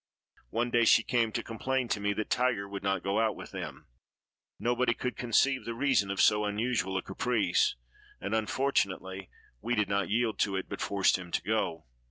One day she came to complain to me that Tiger would not go out with them. Nobody could conceive the reason of so unusual a caprice; and, unfortunately, we did not yield to it, but forced him to go.